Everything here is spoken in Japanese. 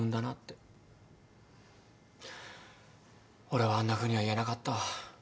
俺はあんなふうには言えなかった。